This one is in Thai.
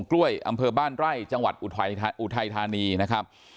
กล้วยอำเภอบ้านไร่จังหวัดอุทัยธานีนะครับ